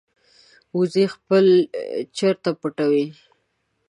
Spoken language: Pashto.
وزې خپل چرته پټوي